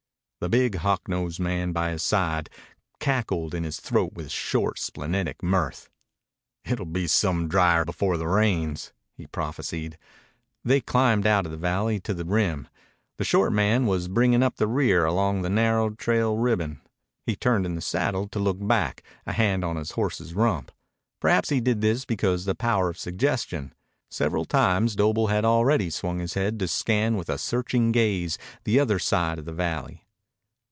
The big hawk nosed man by his side cackled in his throat with short, splenetic mirth. "It'll be some dryer before the rains," he prophesied. They climbed out of the valley to the rim. The short man was bringing up the rear along the narrow trail ribbon. He turned in the saddle to look back, a hand on his horse's rump. Perhaps he did this because of the power of suggestion. Several times Doble had already swung his head to scan with a searching gaze the other side of the valley.